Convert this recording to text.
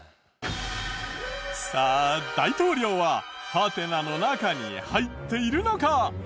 さあ大統領はハテナの中に入っているのか？